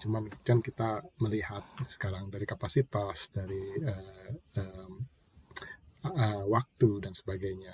cuma kita melihat sekarang dari kapasitas dari waktu dan sebagainya